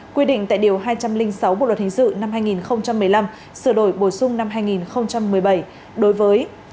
quy định tại điều hai trăm linh sáu bộ luật hình sự năm hai nghìn một mươi năm sửa đổi bổ sung năm hai nghìn một mươi bảy đối với